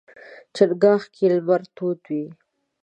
چنګاښ کې لمر تود وي.